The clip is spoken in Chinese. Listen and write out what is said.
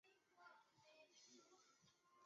一阵车声传来